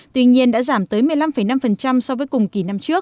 tuy nhiên đã giảm tới một mươi năm năm so với cùng kỳ năm trước